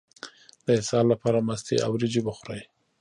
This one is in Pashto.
د اسهال لپاره مستې او وریجې وخورئ